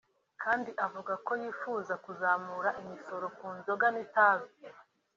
kandi avuga ko yifuza kuzamura imisoro ku nzoga n’itabi